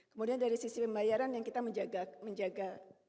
kemudian dari sisi pembayaran yang kita menjaga